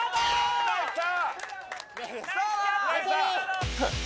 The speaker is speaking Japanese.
きた！